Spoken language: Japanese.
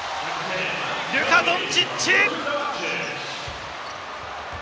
ルカ・ドンチッチ！